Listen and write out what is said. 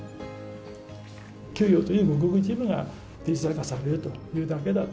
給与というごくごく一部がデジタル化されるというだけだと。